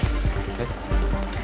えっ？